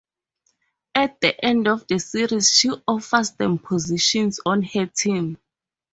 At the end of the series she offers them positions on her team.